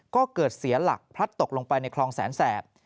ก็เกิดเสียหลักพลัดตกลงไปในคลองแสนแสบ